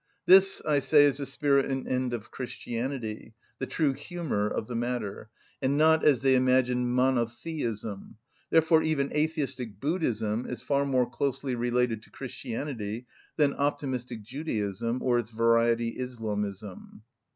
This, I say, is the spirit and end of Christianity, the true "humour of the matter;" and not, as they imagine, monotheism; therefore even atheistic Buddhism is far more closely related to Christianity than optimistic Judaism or its variety Islamism.